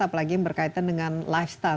apalagi yang berkaitan dengan lifestyle